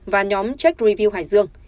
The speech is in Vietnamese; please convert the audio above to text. và nhóm check review hải dương